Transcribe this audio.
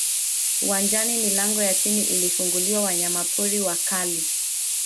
uwanjani milango ya chini ikafunguliwa Wanyamapori wakali